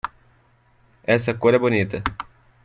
Essa cor é bonita.